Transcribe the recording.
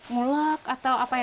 mulak atau apa ya